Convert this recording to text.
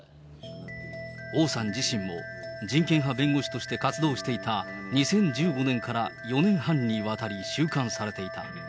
王さん自身も、人権派弁護士として活動していた２０１５年から４年半にわたり収監されていた。